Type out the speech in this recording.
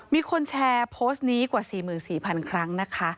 มีคนแชร์โพสต์นี้กว่า๔๔๐๐๐ครั้งนะคะ